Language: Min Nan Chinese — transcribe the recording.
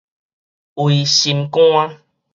揻心肝